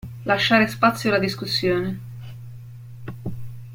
Lasciare spazio alla discussione.